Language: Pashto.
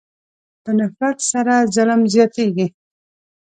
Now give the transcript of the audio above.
په نفرت سره ظلم زیاتېږي.